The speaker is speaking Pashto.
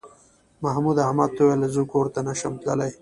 محمود احمد ته وویل زه کور ته نه شم تللی.